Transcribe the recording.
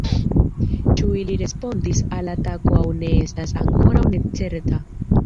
Ĉu ili respondis al atako aŭ ne estas ankoraŭ ne certa.